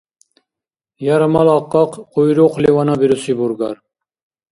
Ярмала къакъ къуйрукъли ванабируси бургар.